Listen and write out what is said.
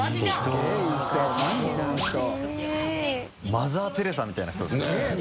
マザー・テレサみたいな人ですね。